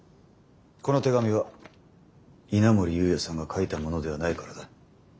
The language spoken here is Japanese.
この手紙は稲森有也さんが書いたものではないからだ。